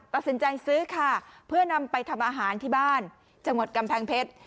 ตัดสินใจซื้อค่ะเพื่อนำไปทำอาหารที่บ้านจังหวัดกำแพงเพชร